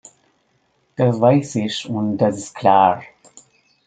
Das weiß ich und das ist klar.